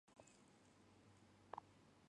有积极的参与音乐活动。